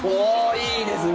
いいですね。